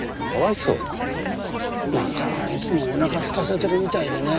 なんかいつもおなかすかせてるみたいでね。